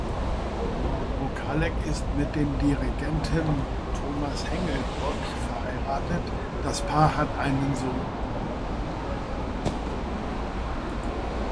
Wokalek ist mit dem Dirigenten Thomas Hengelbrock verheiratet, das Paar hat einen Sohn.